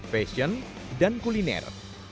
fashion dan kuliner